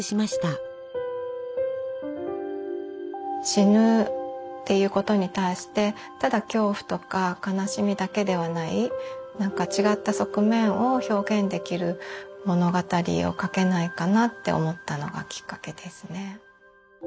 死ぬっていうことに対してただ恐怖とか悲しみだけではない違った側面を表現できる物語を書けないかなって思ったのがきっかけですね。